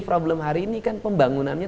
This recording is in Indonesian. problem hari ini kan pembangunannya